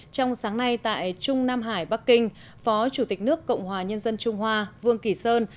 trong sáng nay tại trung nam hải bắc kinh phó chủ tịch nước cộng hòa nhân dân trung hoa vương kỳ sơn